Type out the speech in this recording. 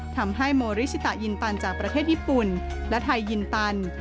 ทำให้โมริชิตายินตันจากประเทศญี่ปุ่นและไทยยินตัน